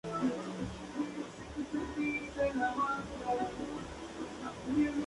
Al sur del condado, en la parte del páramo existen algunos picos poco elevados.